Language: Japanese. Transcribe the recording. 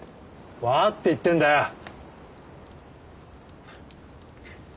わかって言ってんだよ！